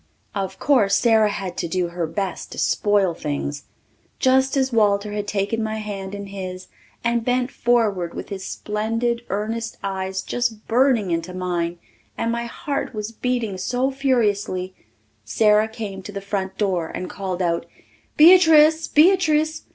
Of course Sara had to do her best to spoil things. Just as Walter had taken my hand in his and bent forward with his splendid earnest eyes just burning into mine, and my heart was beating so furiously, Sara came to the front door and called out, "Beatrice! Beatrice!